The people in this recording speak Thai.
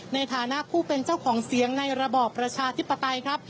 ในฐานะผู้เป็นเจ้าของเสียงในระบอบประชาธิปไตยครับ